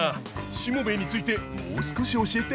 しもべえについてもう少し教えて。